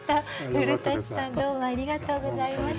古さんどうもありがとうございました。